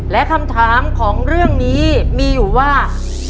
และคำถามของเรื่องนี้มีอยู่ว่า